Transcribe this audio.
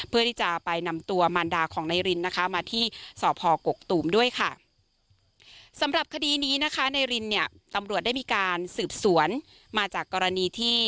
เพื่อที่จะไปนำตัวมันดาของนายรินมาที่